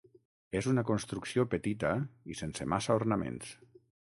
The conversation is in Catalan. És una construcció petita i sense massa ornaments.